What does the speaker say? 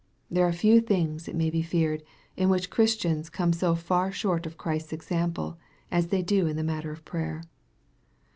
There are few things, it may be feared, in which Chris tians come so far short of Christ's example, as they do in the matter of prayer.